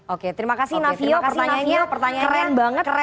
oke terima kasih navio pertanyaannya keren banget